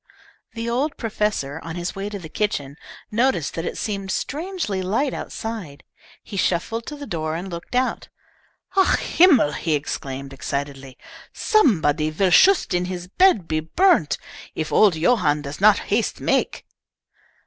The old professor, on his way to the kitchen, noticed that it seemed strangely light outside. He shuffled to the door and looked out. "Ach Himmel!" he exclaimed, excitedly. "Somebody vill shust in his bed be burnt, if old Johann does not haste make!"